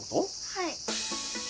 はい。